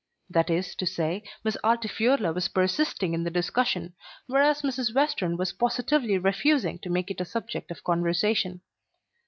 That is to say, Miss Altifiorla was persisting in the discussion, whereas Mrs. Western was positively refusing to make it a subject of conversation.